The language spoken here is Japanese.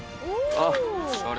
あっ！